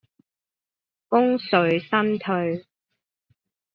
功遂身退